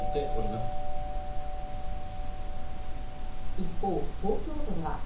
一方、東京都では。